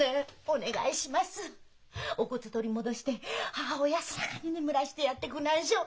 お骨取り戻して母を安らかに眠らしてやってくなんしょ。